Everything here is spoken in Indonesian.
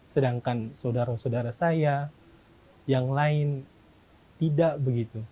sedangkan saudara saudara saya yang lain tidak begitu